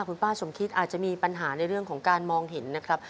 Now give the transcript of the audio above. คุณป้าสมคิดอาจจะมีปัญหาในเรื่องของการมองเห็นนะครับ